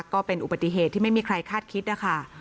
ก็เป็นอุบัติเหตุที่ไม่มีใครคาดคิดนะคะ